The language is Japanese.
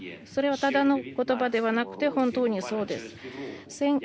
それはただの言葉ではなくて本当にそうです。